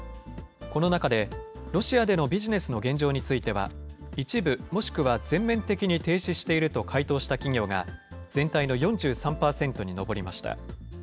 この中で、ロシアでのビジネスの現状については、一部、もしくは全面的に停止していると回答した企業が、全体の４３％に上りました。